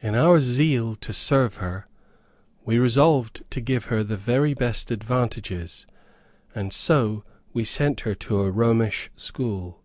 In our zeal to serve her, we resolved to give her the very best advantages, and so we sent her to a Romish school.